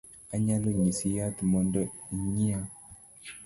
anyalo nyisi yath mondo inyiew